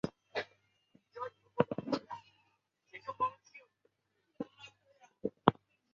亨利县是美国印地安纳州东部的一个县。